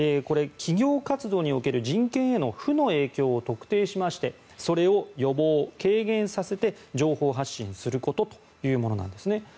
企業活動における人権への負の影響を特定しましてそれを予防・軽減させて情報発信することというものなんですね。